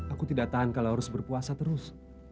aku tidak tahan kalau harus berpuasa terus